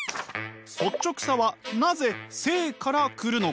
率直さはなぜ生から来るのか？